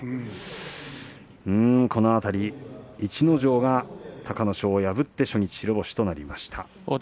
このあと逸ノ城が隆の勝を破って初日白星となりました。